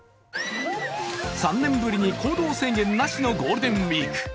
３年ぶりに行動制限なしのゴールデンウイーク。